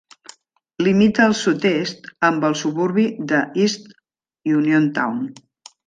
Limita al sud-est amb el suburbi de East Uniontown.